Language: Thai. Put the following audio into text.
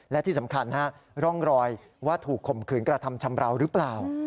และที่สำคัญร่องรอยว่าถูกข่มขืนกระทำชำราวหรือเปล่า